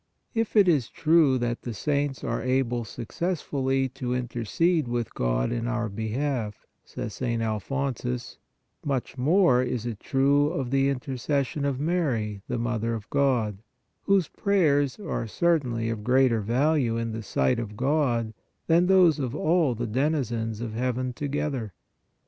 4. "If it is true that the saints are able suc cessfully to intercede with God in our behalf," says St. Alphonsus, " much more is it true of the inter cession of Mary, the Mother of God, whose prayers are certainly of greater value in the sight of God than those of all the denizens of heaven together.